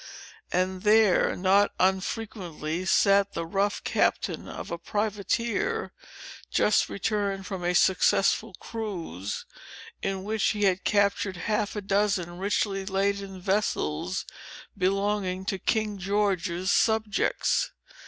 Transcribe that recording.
And there, not unfrequently, sat the rough captain of a privateer, just returned from a successful cruise, in which he had captured half a dozen richly laden vessels, belonging to King George's subjects.